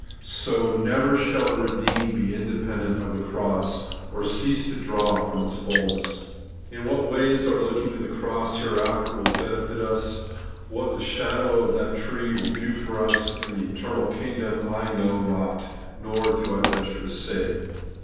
So, never shall the redeemed be independent of the cross, or cease to draw from its fulness. In what ways our looking to the cross here after will benefit us ; what the shadow of that tree will do for us in the eternal kingdom, I know not, nor do I venture to say.